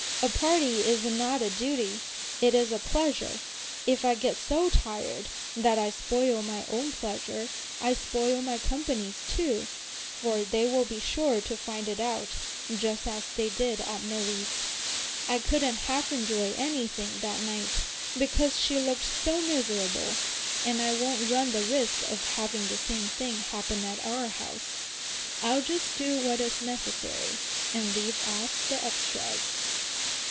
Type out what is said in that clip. "A party is not a duty, it is a pleasure. If I get so tired that I spoil my own pleasure, I spoil my company's too, for they will be sure to find it out just as they did at Milly's. I couldn't half enjoy anything that night, because she looked so miserable; and I won't run the risk of having the same thing happen at our house. I'll just do what is necessary, and leave off the extras."